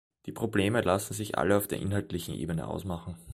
Die Probleme lassen sich alle auf der inhaltlichen Ebene ausmachen.